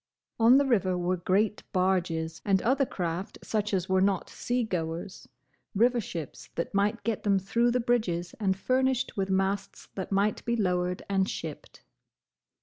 On the river were great barges, and other craft such as were not sea goers, river ships that might get them through the bridges and furnished with masts that might be lowered and shipped.